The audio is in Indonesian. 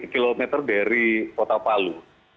tiga puluh empat km dari kota palu